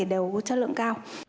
đều có chất lượng cao